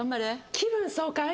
『気分爽快』